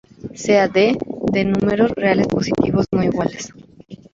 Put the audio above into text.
Sea "d", "d" números reales positivos no iguales.